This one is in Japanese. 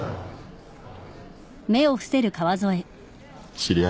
知り合い？